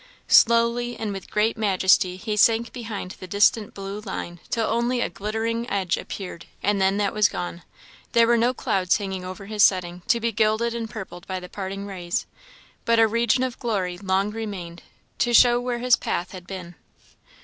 Slowly and with great majesty he sank behind the distant blue line, till only a glittering edge appeared and then that was gone. There were no clouds hanging over his setting, to be gilded and purpled by the parting rays, but a region of glory long remained, to show where his path had been.